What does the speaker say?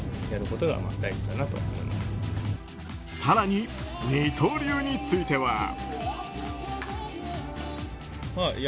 更に、二刀流については。